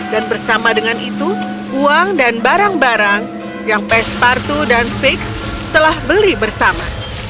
dan bersama dengan itu uang dan barang barang yang pespartu dan fix telah beli bersama